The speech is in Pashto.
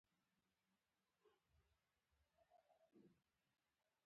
د باندې یې کتل چې ژمی زاره چاودون موسم دی.